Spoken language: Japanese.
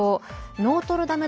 ノートルダム